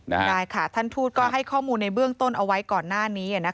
ได้ค่ะท่านทูตก็ให้ข้อมูลในเบื้องต้นเอาไว้ก่อนหน้านี้